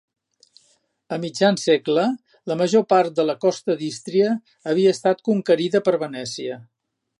A mitjan segle la major part de la costa d'Ístria, havia estat conquerida per Venècia.